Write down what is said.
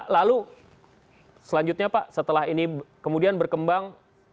lalu selanjutnya pak setelah ini kemudian berkembang